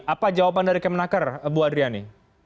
apa jawaban dari kemenaker bu adriani